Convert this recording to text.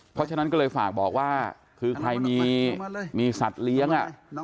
เพราะฉะนั้นก็เลยฝากบอกว่าคือใครมีสัตว์เลี้ยง